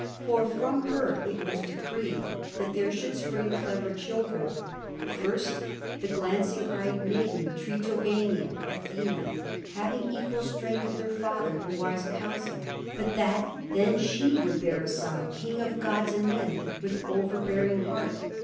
For from her it was decreed that there should spring clever children; first the glancing eyed maiden, Tritogenia (Athena), having equal strength with her father and wise counsel; but that then she would bear a son, king of gods and men, with overbearing heart.